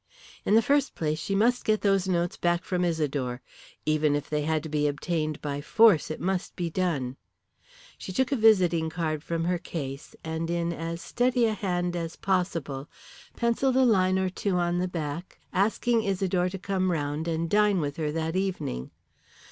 In the first place she must get those notes back from Isidore. Even if they had to be obtained by force it must be done. She took a visiting card from her case, and in as steady a hand as possible penciled a line or two on the back asking Isidore to come round and dine with her that evening.